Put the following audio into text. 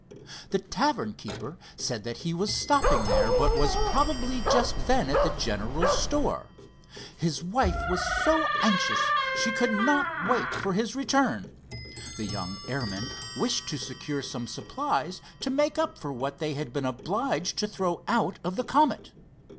The tavern keeper said he was stopping there, but was probably just then at the general store. His wife was so anxious, she could not wait for his return. The young airman wished to secure some supplies to make up for what they had been obliged to throw out of the Comet.